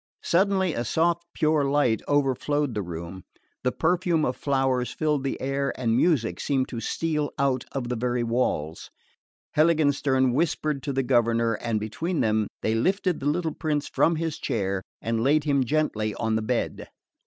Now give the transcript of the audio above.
Suddenly a soft pure light overflowed the room, the perfume of flowers filled the air, and music seemed to steal out of the very walls. Heiligenstern whispered to the governor and between them they lifted the little prince from his chair and laid him gently on the bed.